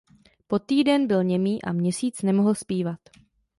Po týden byl němý a měsíc nemohl zpívat.